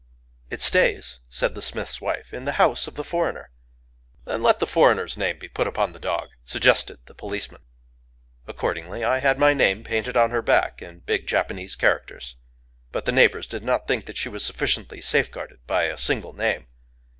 "It stays," said the smith's wife, "in the house of the foreigner." "Then let the foreigner's name be put upon the dog," suggested the policeman. Accordingly I had my name painted on her back in big Japanese characters. But the neighbors did not think that she was sufficiently safeguarded by a single name.